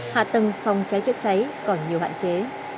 hạ tầng phòng cháy chữa cháy còn nhiều hạn chế